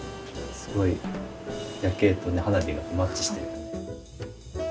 すごい夜景とね花火がマッチしてる。